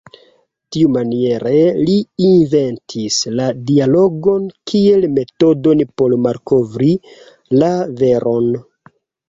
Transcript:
Tiumaniere li inventis la dialogon kiel metodon por malkovri la veron.